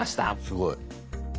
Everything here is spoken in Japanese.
すごい。